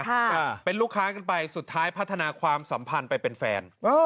ค่ะเป็นลูกค้ากันไปสุดท้ายพัฒนาความสัมพันธ์ไปเป็นแฟนเออ